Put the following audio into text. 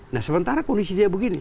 nah sementara kondisi dia begini